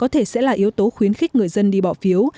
có thể sẽ là yếu tố khuyến khích người dân đi bỏ phiếu